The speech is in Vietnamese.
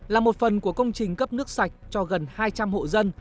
là một phần của công trình cấp nước sạch cho gần hai trăm linh hộ dân